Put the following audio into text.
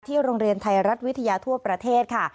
โรงเรียนไทยรัฐวิทยาทั่วประเทศค่ะ